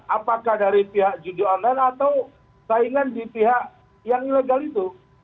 apakah dari pihak judi online atau saingan di pihak yang ilegal itu